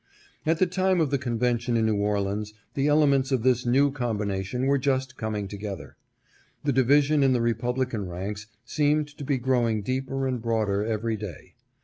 At the time of the convention in New Orleans the ele ments of this new combination were just coming together. The division in the Republican ranks seemed to be grow ing deeper and broader every day.